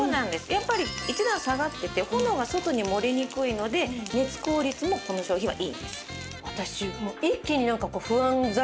やっぱり１段下がってて炎が外に漏れにくいので熱効率もこの商品はいいんです。